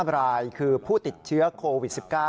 รายคือผู้ติดเชื้อโควิด๑๙